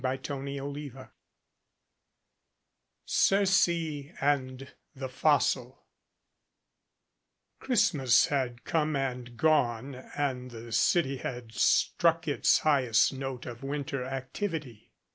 CHAPTER XXV CIRCE AND THE FOSSIL CHRISTMAS had come and gone and the city had struck its highest note of winter activity.